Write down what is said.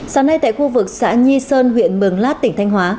sáng nay tại khu vực xã nhi sơn huyện mường lát tỉnh thanh hóa